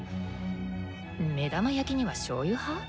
目玉焼きにはしょうゆ派？